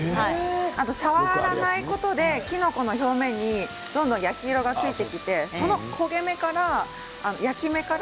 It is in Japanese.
触らないことで、きのこの表面にどんどん焼き色がついてきてその焦げ目から、焼き目から。